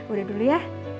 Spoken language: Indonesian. udah dulu ya